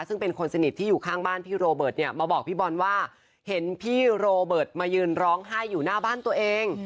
ซึ่งเป็นคนสนิทที่อยู่ข้างบ้านพี่โรเบิร์ตเนี่ยมาบอกพี่บอลว่าเห็นพี่โรเบิร์ตมายืนร้องไห้อยู่หน้าบ้านตัวเอง